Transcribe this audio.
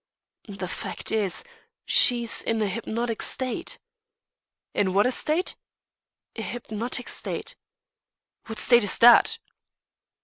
"The fact is, she's in a hypnotic state." "In a what state?" "A hypnotic state." "What state's that?"